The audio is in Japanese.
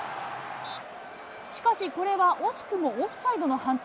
しかしこれは、惜しくもオフサイドの判定。